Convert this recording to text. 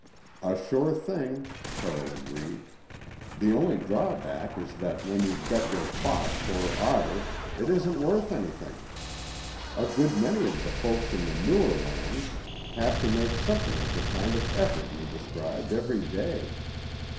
"A sure thing," Carroll agreed. "The only drawback is that when you've got your fox or otter, it isn't worth anything. A good many of the folks in the newer lands have to make something of the kind of effort you described every day.